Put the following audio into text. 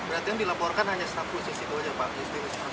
berarti yang dilaporkan hanya staf pusisi kewajar pak yusuf hamka